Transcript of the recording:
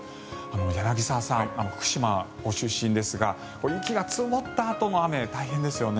柳澤さん、福島のご出身ですが雪が積もったあとの雨大変ですよね。